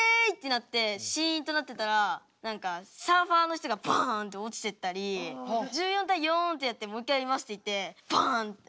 なってシンとなってたら何かサーファーの人がバンって落ちてったりもう１４対４ってやってもう一回やりますって言ってバンって。